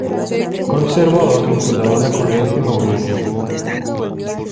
Conservador vinculado a la corriente maurista.